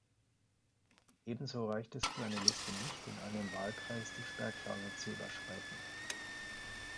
Ebenso reicht es für eine Liste nicht, in einem Wahlkreis die Sperrklausel zu überschreiten.